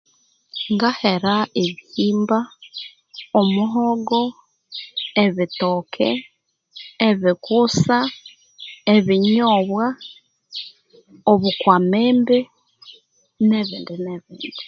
Ngahera ebihimba omuhoko ebitoke ebikusa ebinyobwa obukwamimbi nebindi nebindi